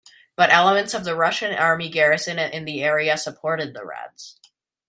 But elements of the Russian army garrison in the area supported the Reds.